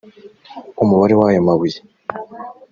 umubare w ayo mabuye